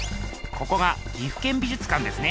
ここが岐阜県美術館ですね。